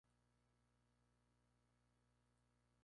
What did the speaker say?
El repertorio de la banda provenía de la música tradicional de Sussex.